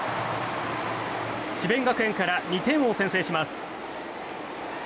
智弁学園から２点を先制します。